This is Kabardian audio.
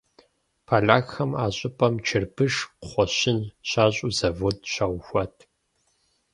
Полякхэм а щӏыпӏэм чырбыш, кхъуэщын щащӏу завод щаухуат.